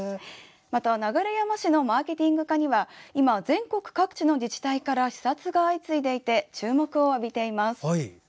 流山市のマーケティング課には今、全国各地の自治体から視察が相次いでいて注目を浴びています。